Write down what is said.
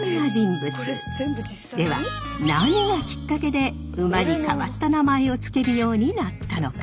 では何がきっかけで馬に変わった名前を付けるようになったのか？